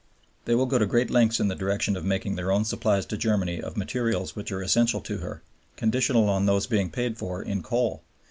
They will go to great lengths in the direction of making their own supplies to Germany of materials which are essential to her, conditional on these being paid for in coal.